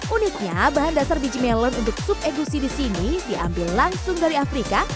uniknya bahan dasar biji melon untuk sup egusi di sini diambil langsung dari afrika